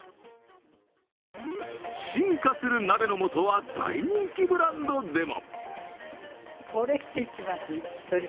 進化する鍋の素は大人気ブランドでも。